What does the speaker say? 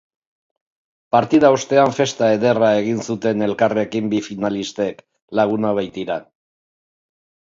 Partida ostean festa ederra egin zuten elkarrekin bi finalistek, lagunak baitira.